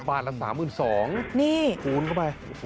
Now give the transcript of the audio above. ๖บาทละ๓๒บาท